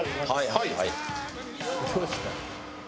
はい。